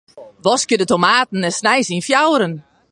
Waskje de tomaten en snij se yn fjouweren.